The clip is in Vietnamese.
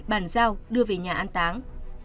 bản giao đưa về nhà an táng